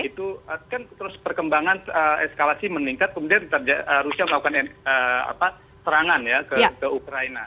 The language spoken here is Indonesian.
itu kan terus perkembangan eskalasi meningkat kemudian rusia melakukan serangan ya ke ukraina